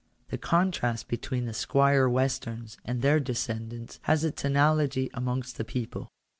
The contrast between the Squire Westerns and their descendants has its analogy amongst the people.